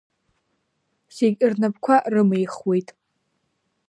Зегь рнапқәа рымихуеит.